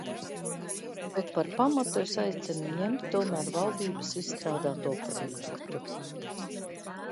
Bet par pamatu es aicinu ņemt tomēr valdības izstrādāto projektu.